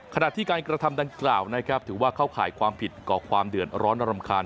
ขณะที่การกระทำดังกล่าวนะครับถือว่าเข้าข่ายความผิดก่อความเดือดร้อนรำคาญ